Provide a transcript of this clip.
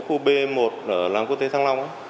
khu b một ở làng quốc tế thăng long